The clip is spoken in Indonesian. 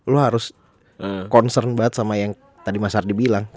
lo harus concern banget sama yang tadi mas ardi bilang